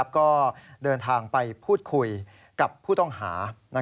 ก็เดินทางไปพูดคุยกับผู้ต้องหา